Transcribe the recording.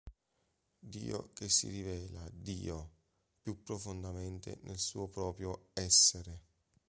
Dio che si rivela, Dio: più profondamente nel Suo proprio "Essere"...